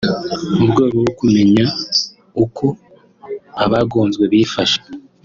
mu rwego rwo kumyenya uko abagonzwe bifashe